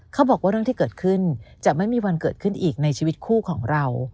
เขาบอกว่าเรื่องที่เกิดขึ้นจะไม่มีวันเกิดขึ้นอีกในชีวิตคู่ของเรา